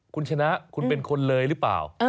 คุณชนะคุณเป็นคนเลยหรือเปล่า